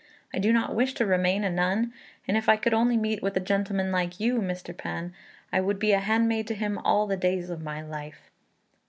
I do not wish to remain a nun, and if I could only meet with a gentleman like you, Mr. P'an, I would be a handmaid to him all the days of my life."